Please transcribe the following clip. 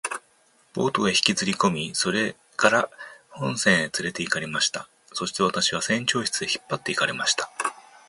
ボートへ引きずりこみ、それから本船へつれて行かれました。そして私は船長室へ引っ張って行かれました。